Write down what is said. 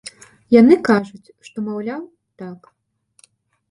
Яны кажуць, што, маўляў, так.